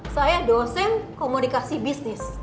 saya dosen komunikasi bisnis